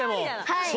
はい。